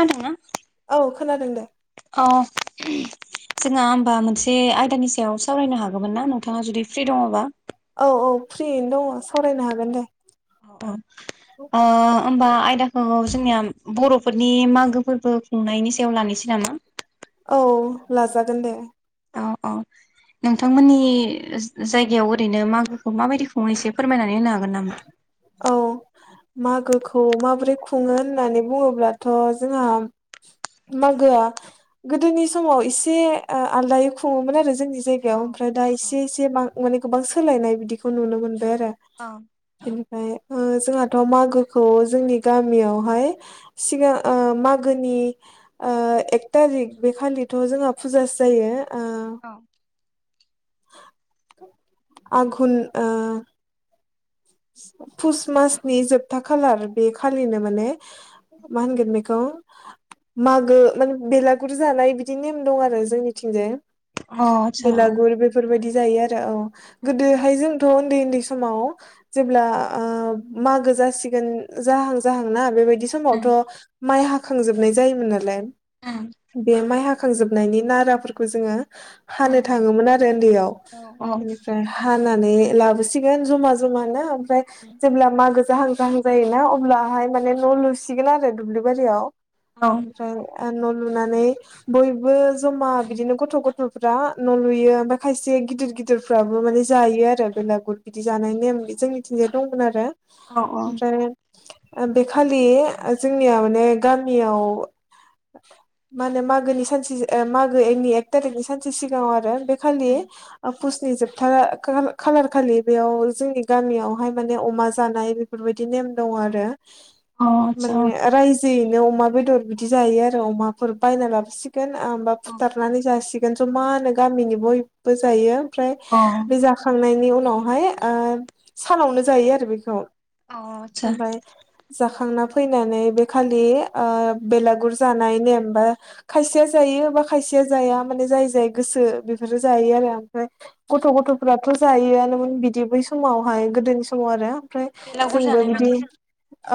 खोनादोंना? खोनादों दे। अ [unintelligible] जोंहा होमबा मोनसे आयदानि सायाव सावरायनो हागौमोन ना नोंथाङा जुदि फ्रि दङबा? औ-औ फ्रियैनो दङ सावरायनो हागोन दे। अ अ आ होमबा आयदाखौ जोंनिया बर'फोरनि मागो फोरबो खुंनायनि सायाव लानिसै नामा? औ लाजागोन दे। औ औ नोंथांमोननि जा-जायगायाव ओरैनो मागोखौ माबायदिखौ एसे फोरमायना नै होनो हागोन नामा? औ मागोखौ माबोरै खुङो होननानै बुङोब्लाथ' जोंहा मागोआ गोदोनि समाव एसे ओ आलदायै खुङोमोन आरो जोंनि औ जायगायाव ओमफ्राय दा एसे एसे बां माने गोबां सोलायनाय बिदिखौ नुनो मोन दों आरो अ बिनिफ्राय ओ जोंहा थ' मागोखौ जोंनि गामियावहाय सिगां ओ मागोनि ओ एक थारिख बे खालिथ' जोंहा फुजासो जायो। ओ औ। [inaudible] आघन आ पुस मासनि जोबथा खालार बे खालिनो माने मा होनगोन बेखौ मागो माने बेलागुर जानाय बिदि नेम दं आरो जोंनिथिंजाय। आतसा बेलागुर बेफोरबायदि जायो आरो औ उम गोदोहाय जोंथ' ओन्दै ओन्दै समाव जेब्ला मागो जासिगोन जाहां जाहांना बेबायदि उम समावथ' माइ हाखांजोबनाय जायोमोन नालाय उम बे माइ हाखांजोबनायनि नाराफोरखौ जोङो हानो थाङोमोन आरो उन्दैयाव औ बेनिफ्राय हानानै लाबोसिगोन जमा जमानो ओमफ्राय जेब्ला मागो जाहां जाहां जायोना अब्लाहाय माने न' लुसिगोन आरो दुब्लि बारियाव ओमफ्राय न' लुनानै बयबो जमा बिदिनो गथ' गथ'फ्रा न' लुयो ओमफ्राय खायसे गिदिर गिदिरफ्राबो माने जायो आरो बेलागुर बिदि जानाय नेम जोंनि मिथिनो दंमोन आरो औ औ ओमफ्राय बे खालि जोंनिया माने गामियाव मा होनो मागोनि सानसे मागोनि एक थारिखनि सानसे सिगाङाव आरो बे खालि पुसनि जोबथा खालार खालि बेयाव जोंनि गामियाव हाय माने अमा जानाय बेफोरबायदि नेम दं आरो अ आतसा माने राय जोयैनो अमा बेदर बिदि जायो आरो अमाफोर बायना लाबोसिगोन हबा अ फुथारनानै जासिगोन जमानो गामिनि बयबो जायो ओमफ्राय अ बे जाखांनायनि उन नावहाय ओ सानावनो जायो आरो बेखौ आतसा ओमफ्राय जा खांना फैनानै बे खालि बेलागुर जानाय नेम बा खायसे बा खायसेया जाया माने जाय जाय गोसो बेफोरो जायो आरो ओमफ्राय गथ' गथ'फ्राथ' जायोआनोमोन बिदि बै समावहाय गोदोनि समाव आरो ओमफ्राय बेलागुर जोंबो जानाय माने बिदि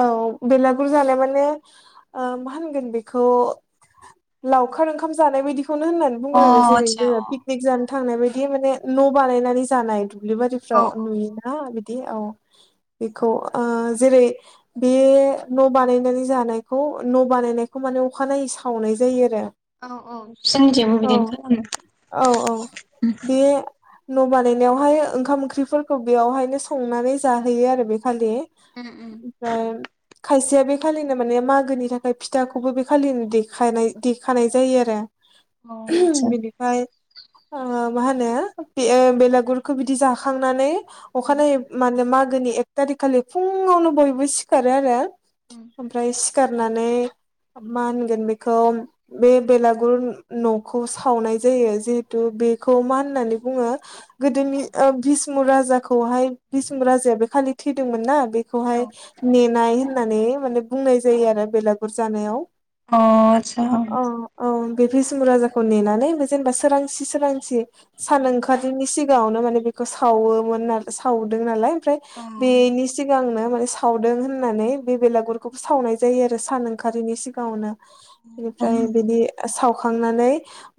औ बेलागुर जानाय माने मा होनगोन बेखौ लावखार ओंखाम जानाय बायदि खौनो होननानै अ बुंगोन आरो जेरै आतसा जोङो पिकनिक अ जानो थांनाय बायदि माने न' बानायनानै जानाय औ दुब्लिबारिफ्राव नुयोना बिदि औ बेखौ जेरै बे न' बानायनानै जानाय खौ न' बानायनायखौ माने अखानायै सावनाय जायो आरो औ औ जोंनिथियबो बिदिनो औ औ खालामो बे न' बानायनायावहाय ओंखाम ओंख्रिफोरखौ बेयावहायनो संनानै जाहैयो आरो बे खालि उम ओमफ्राय खायसेया बे खालिनो माने मागोनि थाखाय फिथाखौबो बे खालिनो देखानाय देखानाय जायो आरो बिनिफ्राय ओ मा होनो बे बेलागुरखौ बिदि जाखांनानै अखानायै माने मागोनि एक थारिख खालि फुङावनो बयबो सिखारो आरो उम ओमफ्राय सिखारनानै मा होनगोन बेखौ बे बेलागुर न'खौ सावनाय जायो जिहेतु बेखौ मा होननानै बुङो गोदोनि भिष्मु राजा खौ भिष्मु राजा बे खालि थैदोंमोन ना अ बेखौहाय नेनाय होननानै माने बुंनाय जायो आरो बेलागुर जानायाव अ आसा औ औ बे भिष्मु राजाखौ नेनानै बे जेनेबा सोरांसि सोरांसि सान ओंखारनि सिगाङावनो माने बे खौ सावोमोन आरो सावदों नालाय ओमफ्राय उम औ अ आतसा औ बेनि सिगांनो थारमाने सावदों होननानै बे बेलागुरखौबो सावनाय जायो आरो सान ओंखारैनि सिगाङावनो उम बेनिफ्राय बिदि साव खांनानै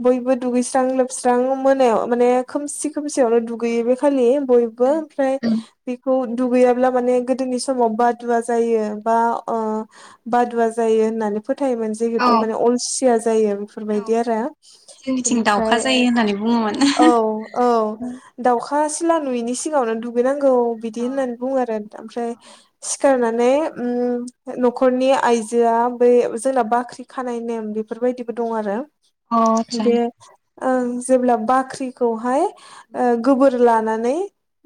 बयबो दुगैस्रां लोबस्रां मोनायाव माने खोमसि खोमसियावनो दुगैयो बे खालि बयबो ओमफ्राय उम बेखौ दुगैयाब्ला माने गोदोनि समाव बादुवा जायो बा बादुवा जायो होननानै फो थायोमोन औ जिहेतु माने अलसिया जायो बेफोरबायदि औ आरो जोंनिथिं दाउखा बेनिफ्राय जायो होननानै बुङोमोन औ औ दाउ खा सिला नुयिनि सिगाङावनो दुगैनांगौ बिदि औ होननानै बुङो आरो ओमफ्राय सिखारनानै न'खरनि आइजोआ बै जोंना बाख्रि खानाय नेम बेफोर बायदिबो दं आरो अ आतसा बे ओं जेब्ला बाख्रिखौहाय उम गोबोर लानानै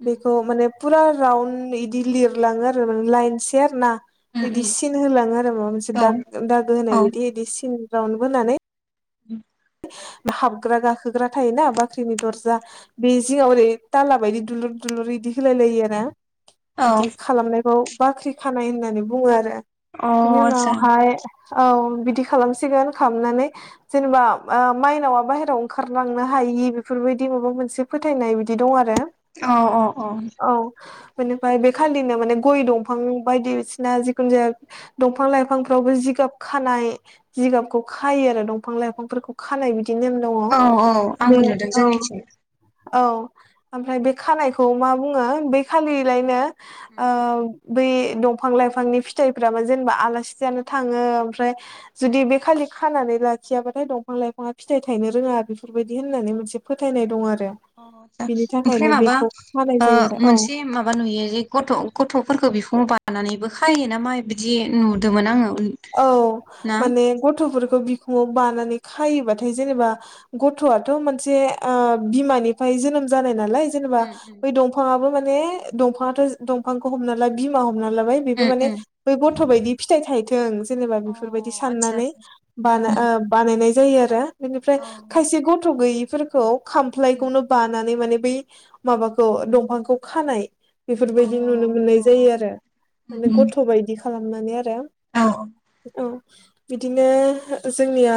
उम बेखौ माने फुरा राउन्ड इदि लिरलाङो आरो माने लाइन से आरोना उम बिदि उम सिन होलाङो आरो माबा मोनसे औ दाग दागो होनाय औ बायदि बिदि सिन रावन्ड बानै उ हाबग्रा गाखोग्रा थायोना बाख्रिनि दरजा बे जिङाव ओरै ताला बायदि दु लुर इदि होलाय लायो आरो औ बिदि अ खालामनायखौ बाख्रि खानाय होननानै बुङो आरो बिनि आतसा उनावहाय औ बिदि खालामसिगोन खालामनानै जेनेबा माइनावा बाहेरायाव ओंखारलांनो हायि बेफोरबायदि माबा मोनसे फोथायनाय बिदि दं आरो औ औ औ बेनिफ्राय बे खालिनो माने गय दंफां बायदिसिना जिखुनु जाया दंफां लाइफांफ्रावबो जिगाब खानाय जिगाबखौ खायो आरो दंफां लाइफांफोरखौ खानाय बिदि नेम दङ औ औ बे आंबो नुदों औ जोंनिथिं औ ओमफ्राय बे खानायखौ मा बुङो बे खालिलायनो उम बै दंफां लाइफांनि फिथाइफ्रा मो जेनेबा आलासि जयानो थाङो ओमफ्राय उम जुदि बे खालि खानानै लाखियाबाथाय दंफां लाइफाङा फिथाइ थायनो रोङा बेफोरबायदि होननानै मोनसे फोथायनाय दं आरो अ माबा बिनि ओमफ्राय थाखायनो माबा बेखौ खानाय जायो आरो औ मोनसे माबा नुयो जे गथ' गथ'फोरखौ बिखौं बानाय खानानैबो खायो नामा बिदि नुदोंमोन आङो औ ना माने गथ'फोरखौ बिखौंवाल बानानै खायोबाथाय जेनेबा गथ'थ' मोनसे बिमानिफ्राय जोनोम जानाय नालाय जेनेबा उम उम बै दांफां माने दंफां दांफांखौ हमना ला बिमा हमना लाबाय बेबो उम माने उम बै गथ' बायदि फिथाइ थायो जों जेनेबा बेफोरबायदि अ आतसा साननानै आतसा ब उम उम बानायनाय जायो आरो बेनिफ्राय औ खायसे गथ' गैयिफोरखौ खामफ्लायखौनो बानानै माने बै माबाखौ दंफांखौ खानाय अ बेफोरबायदि नुनो मोननाय अ जायो आरो उम माने उम गथ' बायदि खालामनानै आरो औ अ बिदिनो जोंनिया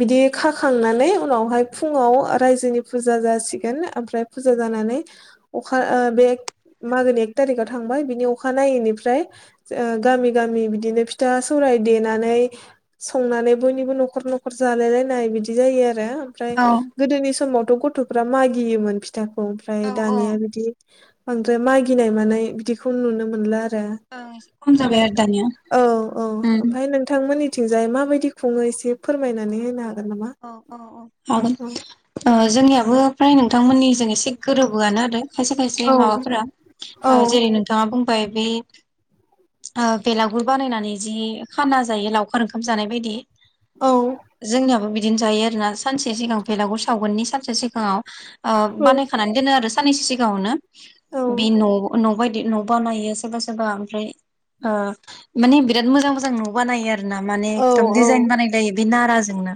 बिदि खाखांनानै उनावहाय फुङाव रायजोनि फुजा जासिगोन ओमफ्राय फुजा जानानै अखा बे मागोनि एक थारिकाव थांबाय बिनि अखा नायैनिफ्राय गामि गामि बिदिनो फिथा सौराय देनानै संनानै बयनिबो न'खर न'खर जालायलायनाय बिदि जायो आरो ओमफ्राय औ गोदोनि समावथ' गथ'फ्रा मागियोमोन फिथाखौ ओमफ्राय औ औ दानिया बिदि बांद्राय मागिनाय मानाय बिदिखौ नुनो मोनला आरो एसे खम ओमफ्राय जाबाय आरो दानिया औ औ उम ओमफफ्राय नोंथांमोननिथिंजाय माबायदि खुङो एसे फोरमायनानै होनो ह औ औ औ हागोन जोंनियाबो फ्राय नोंथांमोननि जों एसे गोरोबोआनो आरो खायसे खायसे औ माबाफोरा औ जेरै नोंथाङा बुंबाय बे बेलागुर बानायनानै जि खाना जायो लावखार ओंखाम जानाय बायदि औ जोंनियाबो बिदि जायो आरोना सानसे सिगां बेलागुर सावगोननि सानसे सिगाङाव औ बानायखानानै दोनो आरो साननैसो सिगाङावनो औ बे न' न' बायदि न' बानायो सोरबा सोरबा ओमफ्राय माने बिराद मोजां मोजां न' बानायो आरो आरो ना माने औ एकदम दिडजाइन बानायलायो बे नाराजोंनो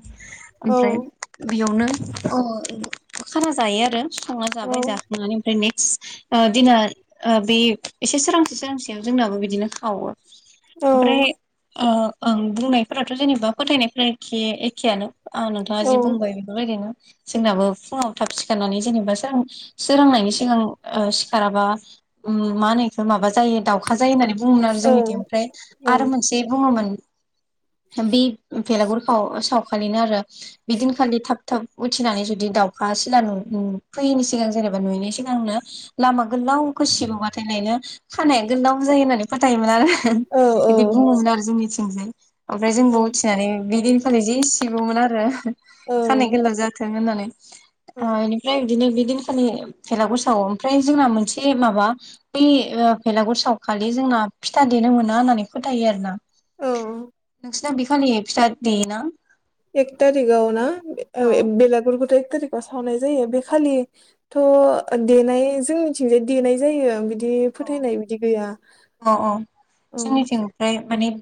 ओमफ्राय औ बेयावनो खाना जायो आरो संना औ जाबाय जाखांनानै ओमफ्राय नै दिना बे एसे सोरांसे सोरांसेयाव जोंनाबो बिदिनो खावो ओमफ्राय ओं बुंनायफोराथ' जेनेबा फोथायनायफोरा एखे जखियानो आं नोंथाङा जि बुंबाय बेफोरबायदिनो जोंनाबो फुङाव थाब सिखारनानै जेनेबा सोर सोरोंनायनि सिगां सिखारनानै मा होनो दाउखौ माबा जायो दाउखा जायो होननानै बुङोमोन आरो जोंनिथि ओमफ्राय आरो मोनसे बुङोमोन बे बेलागुराव सावखालिनो आरो बिदिनखालि थाब थाब उथिनानै जुदि दाउखा सिला नु फैयैनि सिगां जेनेबा नुयैनि सिगांनो लामा गोलाव गोसिबोबाथाय नायनो खानाया गोलाव जायो होननानै फोथायोमोन आरो बिदि औ बुङोमोन आरो जोंनिथिंजाय ओमफ्राय जोंबो उथिनानै बिदिनोखालि जि [unintelligible] आरो औ खानाय गोलाव जाथों होननानै इनिफ्राय बिदिनो बिदिनखालि भेलाघुर सावो ओमफ्राय जोंना मोनसे माबा बै भेलागुर सावखा खालि जोंना फिथा देनो मोना होननानै फोथायो आरोना औ [unintelligible] बिखाानि फिथा देयोना एक तारिखआवना अ बेलागुर [unintelligible] थारिकाव सावनाय जायो बे खालिथ' देनाय जोंनिथिंजाय देनाय जायो बिदि फोथायनाय बिदि गैया [inaudible] औ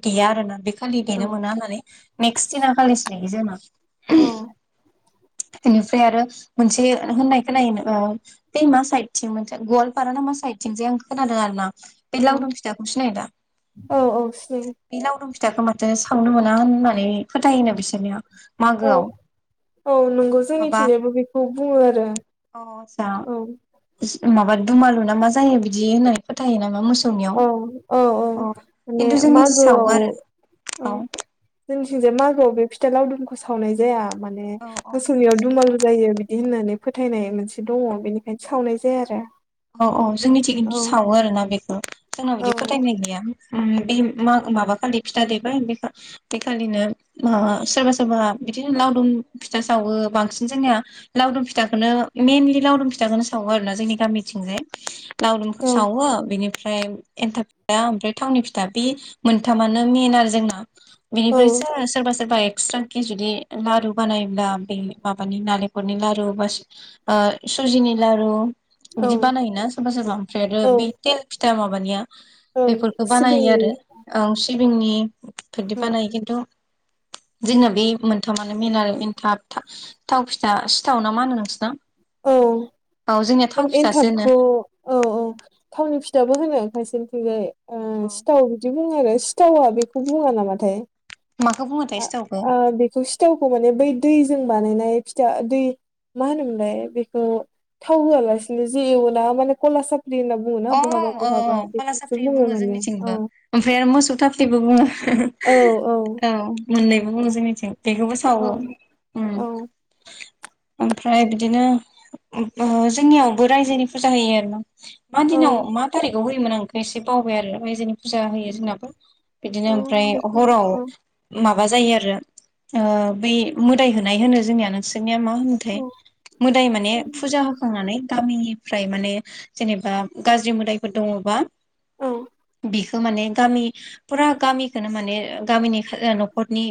देया आरोना बे खालि देनो औ मोना होननानै नेक्स्ट दिना खालिसो देयो जोंना अ [inaudible] इनिफ्राय आरो मोनसे होननाय खोननाय बे मा साइदथिं मोनसे गवालपार ना मा साइदथिं जे आं खोनादों आरोना बे लावदुम फिथाखौ सिनाय दा औ औ सिनायो बे लावदुम फिथ फिथाखौ माथो सावनो मोना होननानै फोथायोना बिसोरनिया औ मागोआव औ नंगौ माबा जोंनिथिंजायबो बेखौ बुङो आरो अ आदसा औ माबा दुमालु ना मा जायो बिदि होननानै फोथायो नामा मोसौनियाव औ औ औ माने खिन्थु जोंनि थिं सावो मागोआव आरो औ जोंनिथिंजाय मागोआव बे फिथा लावदुमखौ सावनाय जाया माने औ औ मोसौनियाव दुमालु जायो होननानै फोथायनाय मोनसे दङ बेनिखायनो सावनाय जाया आरो औ-औ जोंनिथिं सावो आरोोना बेखौ जोंनाव औ बिदि फोथायनाय गैया बे माबाखालि फिथा देबाय बे बेखालिनो सोरबा सोरबा बिदिनो लावदुम फिथा सावो बांसिन जोंनिया लावदुम फिथाखोननो मेनलि लावदुम फिथाखौनो सावोण ना जोंनि गामिथिंजाय लावदुमखौ औ सावो बेनिफ्राय एन्थाब फिथा ओमफ्राय थावनि फिथा बे मोनथामानो मेन आरो जोंना औ बिनिफ्रायसो सोरबा सोरबा एक्सट्राकि जुदि लारु बानायोब्ला बे माबानि नालेंखलनि लारु बा सुजिनि लारु औ बिदि बानायोना सोरबा सोरबा ओमफ्राय आरो औ बे थेल फिथा माबानिया ओं बेफोरखौ बानायो सिबिंनि आरो औ सिबिंनि बिदि औ बानायो खिन्थु [inaudible] जोंना बे मोनथामानो मेन आरो एनथाब थाव फिथा सिथाव ना मा होनो नोंसिना औ औ जोंनिया थाव फि एनथाबखौ ओ-औ थावनि फिथाबो होनो खायसेनिथिंजाय औ सिथा बुङो आरो सिथावा बेखौ बुङा यततंक्षयाय माखौ बुङोथाय सिथावखौ बेखौ सिथावखौ माने बै दैजों बानायनाय फिथा दै मा होनोमोनलाय बेखौ थाव होआलासिनो जि एवोना माने कला साप अ औ कला साफ्रिबो बुङो माने जोंनिथिंबो औ ओमफ्राय आरो मोसौ थाफ्रिबो बुङो औ मोननैबो बुंङो जोंनिथिं बेखौबो सावो औ ओमफ्राय बिदिनो जोंनियावबो रायजोनि फुजा होयो आरोना मा औ दिनाव मा थारिखाव होयोमोन आं बेखौ एसे बावबाय आरो ओफ्राय जोंनि फुजा होयो जोंनाबो बिदिनो औ ओमफ्राय बेखौ हराव औ माबा माबा जायो आरो ओ बै मोदाइ होनाय होनो जोंनिया नोंसि माने मा होनोथाय औ मोदाइ माने फुजा होखांनानै गामिनिफ्राय माने जेने बा गाज्रि मोदायफोर दङबा बेखौ माने गामि फुरा गामिखोनो माने गामिनि न'खरनि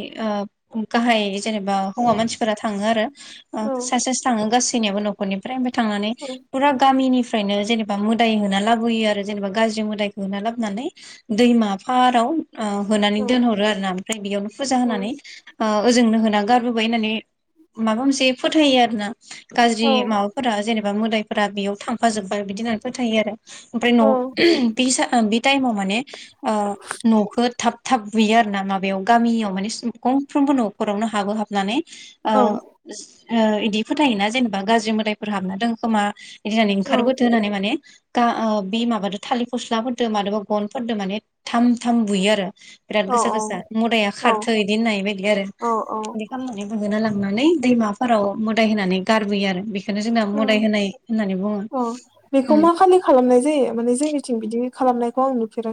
गाहाय जेनेबा हौवा मानसिफोरा थाङो आरो औ सासे सासे थाङो गासैनियाबो न'खरनिफ्राय थांनानै औ फुरा गामिनिफ्रायनो जेने बा मोदाय होना लाबोयो आरो जेनेबा गाज्रि मोदायखौ होना लाबोनानै दैमा फाराव ओ होनानै दोनहरो आरो ना ओमफ्राय बेयावनो फुजा होनानै औ ओजोंनो होना गारबोबाय होननानै माबा मोनसे फोथायो आरो ना औ गाज्रि माबाफोरा जेनेबा मोदाय फोर बेयाव थांफाजोब्बाय बिदि होननानै फोथायो आरो ओमफ्राय औ न'आव बे सा-बे टाइमाव माने ओ न'खो थाब थाब बुयो आरो ना माबायाव गामियाव माने गंफ्रोमबो न'खरावनो हाबो हाबनानै औ ओ इदि फोथायोना जेनेबा गाज्रि मोदायफोर हाबना दं खोमा बिदि होननानै ओंखारबोदो होननानै माने गा ओ बे माबादो थालिर फस्लाफोरदो माबा गनफोरदो माने थाम थाम बुयो आरो। बिराद गोसा गोसा मोदाया खारथो इदि होननाय बायदि आरो। औ बिदि खालामनानै होना लांनानै दैमा फोराव मोदाय होनानै गारबोयो आरो बेखौनो जोंना औ मोदाय होनाय होननानै बुङो। औ बेखौ उम मा खालि खालामनाय जायो माने जोंनिथिं बिदि खालामनायखौ आं नुफेरा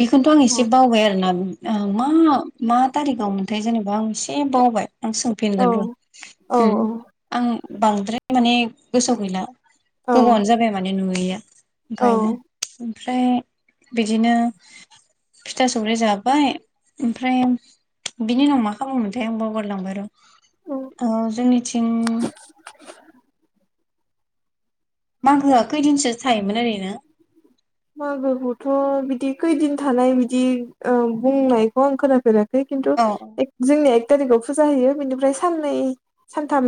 बेखौनथ' आं एसे बावबाय आरोना मा मा थारिखाव मोनथाय जेनेबा आं एसे बावबाय आं औ सोंफिनगोन र' औ उम आं टा बांद्राय माने गोसोआव गैला औ गोबावानो जाबाय माने नुयैया। औ ओंखायनो ओमफ्राय बिदिनो फिथा सौराय जाबाय ओमफ्राय बिनि उनाव मा खालामोमोनथाय आं बावगारलांबाय र' औ ओ जोंनिथिं मागोआ खैदिनसो थायोमोन ओरैनो? मागोखौथ' बिदि खैदिन थानाय बिदि ओ बुंनायखौ आं खोनाफेराखै। खिन्थु औ औ जोंनि एक थारिकाव फुजा होयो बेनिफ्राय साननै सानथाम